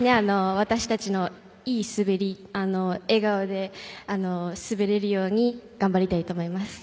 私たちのいい滑り笑顔で滑れるように頑張りたいと思います。